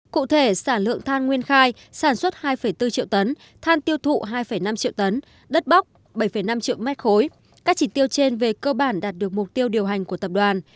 cụ thể sản lượng than nguyên khai sản xuất hai bốn triệu tấn than tiêu thụ hai năm triệu tấn đất bóc bảy năm triệu m ba các chỉ tiêu trên về cơ bản đạt được mục tiêu điều hành của tập đoàn